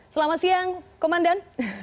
selamat siang komandan